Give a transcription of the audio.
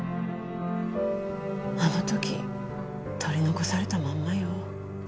あの時取り残されたまんまよ。